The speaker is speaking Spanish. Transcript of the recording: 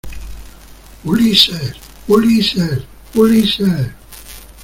¡ Ulises! ¡ Ulises !¡ Ulises !